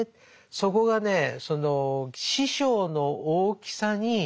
そこがねその師匠の大きさに。